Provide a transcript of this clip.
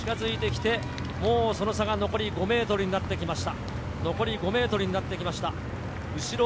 その中、鈴木芽吹が近づいてきて、もうその差が残り５ｍになってきました。